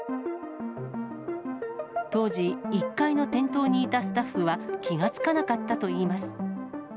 当時、１階の店頭にいたスタッフは気が付かなかったといいます。